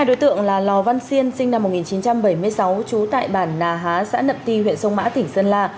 hai đối tượng là lò văn xiên sinh năm một nghìn chín trăm bảy mươi sáu trú tại bản nà há xã nậm ti huyện sông mã tỉnh sơn la